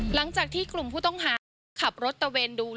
หลังจากที่กลุ่มผู้ต้องหาขับรถตะเวนดู